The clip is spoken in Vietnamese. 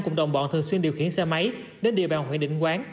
cùng đồng bọn thường xuyên điều khiển xe máy đến địa bàn huyện định quán